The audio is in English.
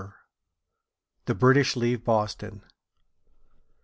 THE BRITISH LEAVE BOSTON.